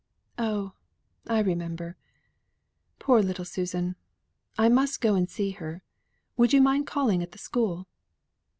"Oh! I remember. Poor little Susan! I must go and see her; would you mind calling at the school?"